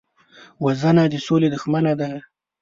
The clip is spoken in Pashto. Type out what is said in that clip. وژنه د سولې دښمنه ده